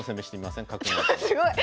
すごい！